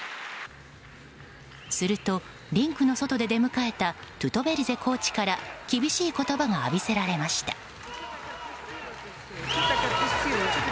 するとリンクの外で出迎えたトゥトベリゼコーチから厳しい言葉が浴びせられました。